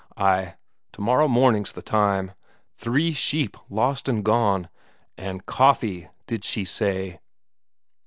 ay, tomorrow morning's the time. Three sheep lost and gone! And coffee, did she say!"